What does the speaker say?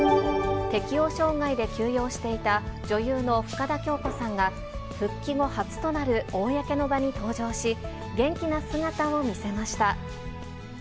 適応障害で休養していた女優の深田恭子さんが、復帰後初となる公の場に登場し、元気な姿を見せました。